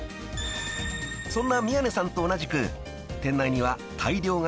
［そんな宮根さんと同じく店内には］